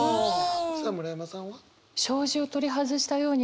さあ村山さんは？